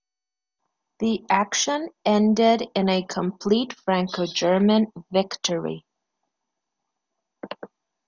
The action ended in a complete Franco-German victory.